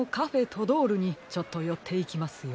トドールにちょっとよっていきますよ。